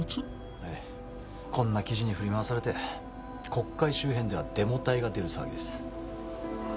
ええこんな記事に振り回されて国会周辺ではデモ隊が出る騒ぎです